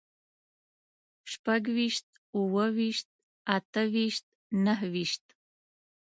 شپږويشت، اووهويشت، اتهويشت، نههويشت